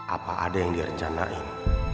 apa ada yang direncanain